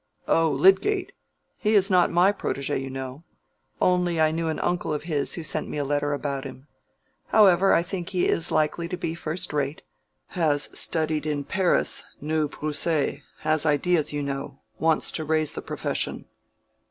"Oh, Lydgate! he is not my protege, you know; only I knew an uncle of his who sent me a letter about him. However, I think he is likely to be first rate—has studied in Paris, knew Broussais; has ideas, you know—wants to raise the profession."